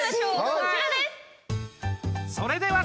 こちらです。